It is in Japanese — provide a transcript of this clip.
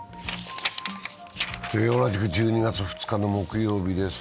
同じく１２月２日の木曜日です。